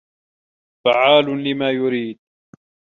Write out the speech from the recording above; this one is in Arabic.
فَعّالٌ لِما يُريدُ